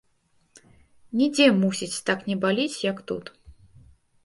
Нідзе, мусіць, так не баліць, як тут.